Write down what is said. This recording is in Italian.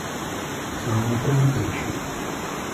Si nutre di pesci.